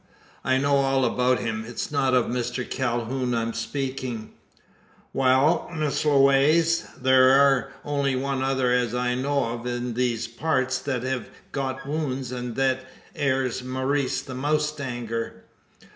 I know all about him. It's not of Mr Calhoun I'm speaking." "Wall, Miss Lewasse; thur air only one other as I know of in these parts thet hev got wownds; an thet air's Maurice the mowstanger.